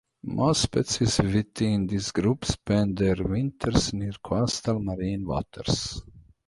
Most species within this group spend their winters near coastal marine waters.